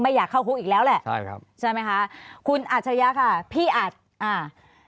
อยากเข้าคุกอีกแล้วแหละใช่ครับใช่ไหมคะคุณอัจฉริยะค่ะพี่อัดอ่า